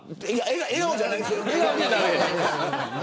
笑顔じゃないですよ。